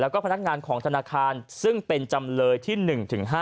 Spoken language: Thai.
แล้วก็พนักงานของธนาคารซึ่งเป็นจำเลยที่๑๕